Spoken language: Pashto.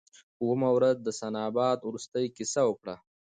اوومه ورځ سنباد وروستۍ کیسه وکړه.